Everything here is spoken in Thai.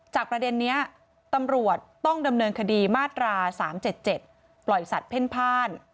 ประเด็นนี้ตำรวจต้องดำเนินคดีมาตรา๓๗๗ปล่อยสัตว์เพ่นพ่าน